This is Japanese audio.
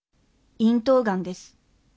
咽頭がんです。